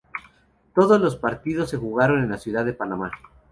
Todos los partidos se jugaron en Ciudad de Panamá.